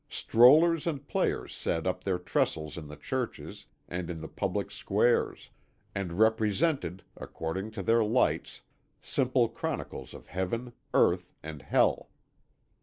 Strollers and players set up their trestles in the churches and in the public squares, and represented, according to their lights, simple chronicles of Heaven, Earth, and Hell.